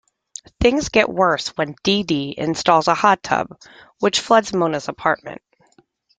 Things get worse when Dee Dee installs a hot tub, which floods Mona's apartment.